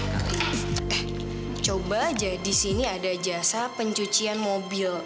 eh coba aja di sini ada jasa pencucian mobil